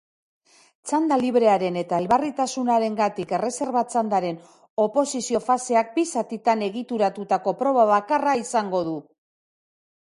Txanda librearen eta elbarritasunarengatik erreserba-txandaren oposizio-faseak bi zatitan egituratutako proba bakarra izango du.